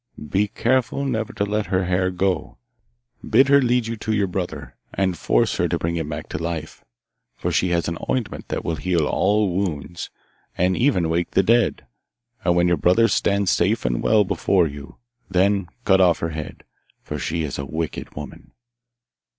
Be very careful never to let her hair go, bid her lead you to your brother, and force her to bring him back to life. For she has an ointment that will heal all wounds, and even wake the dead. And when your brother stands safe and well before you, then cut off her head, for she is a wicked woman.